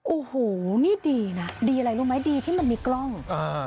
โอ้โหนี่ดีนะดีอะไรรู้ไหมดีที่มันมีกล้องอ่า